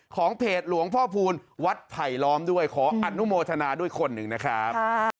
ของเพจหลวงพ่อพูลวัดไผลล้อมด้วยขออนุโมทนาด้วยคนหนึ่งนะครับ